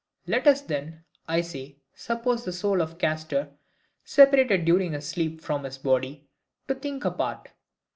Let us then, I say, suppose the soul of Castor separated during his sleep from his body, to think apart.